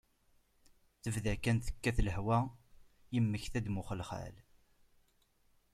Tebda kan tekkat lehwa, yemmekta-d mm uxelxal.